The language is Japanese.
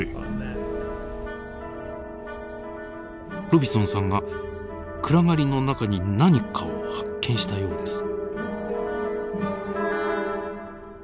ロビソンさんが暗がりの中に何かを発見したようです。